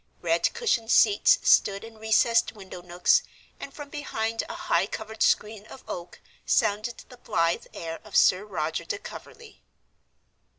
Red cushioned seats stood in recessed window nooks, and from behind a high covered screen of oak sounded the blithe air of Sir Roger de Coverley.